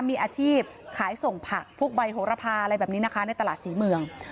มีอาชีพขายส่งผักพวกใบโหระพาอะไรแบบนี้นะคะในตลาดศรีเมือง